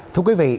thưa quý vị